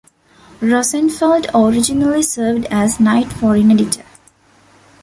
Rosenfeld originally served as night foreign editor.